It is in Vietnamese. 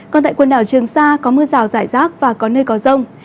còn tại quần đảo trường sa có mưa rào rải rác và có nơi có rông